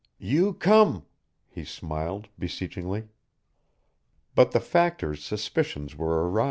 "You come," he smiled, beseechingly. But the Factor's suspicions were aroused.